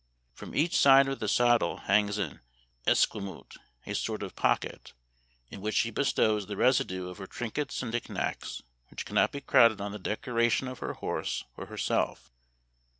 From each side of the saddle hangs an esquimoot, a sort of pocket, in which she bestows the residue of her trinkets and knickknacks which cannot be crowded on the decoration of her horse or her self.